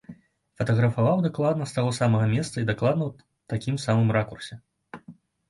Фатаграфаваў дакладна з таго самага месца і дакладна ў такім самым ракурсе.